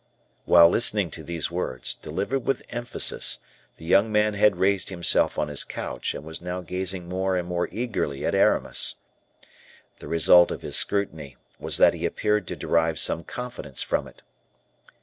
While listening to these words, delivered with emphasis, the young man had raised himself on his couch, and was now gazing more and more eagerly at Aramis. The result of his scrutiny was that he appeared to derive some confidence from it.